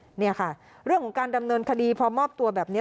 สำหรับเรื่องการดำเนินคดีพอมอบตัวแบบนี้